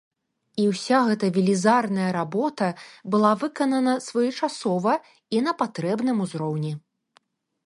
І ўся гэта велізарная работа была выканана своечасова і на патрэбным узроўні.